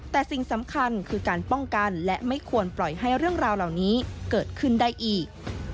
แต่สิ่งสำคัญคือการป้องกันและไม่ควรปล่อยให้เรื่องราวเหล่านี้เกิดขึ้นได้อีก